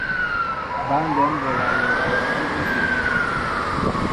Băndɛm bola loko a mbu té.